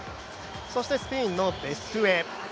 そしてスペインのベストゥエ。